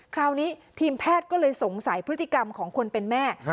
คราวนี้ทีมแพทย์ก็เลยสงสัยพฤติกรรมของคนเป็นแม่